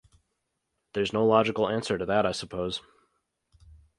There's no logical answer to that I suppose.